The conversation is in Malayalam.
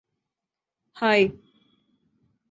ഹായ്